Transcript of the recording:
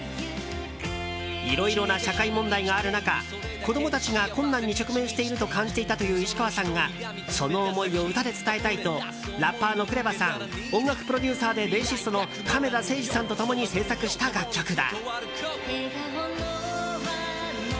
いろいろな社会問題がある中子供たちが困難に直面していると感じていたという石川さんがその思いを歌で伝えたいとラッパーのＫＲＥＶＡさん音楽プロデューサーでベーシストの亀田誠治さんと共に制作した楽曲だ。